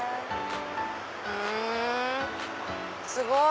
ふんすごい！